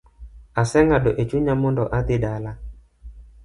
Aseng’ado echunya mondo adhi dala